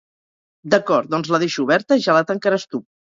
D'acord, doncs la deixo oberta i ja la tancaràs tu.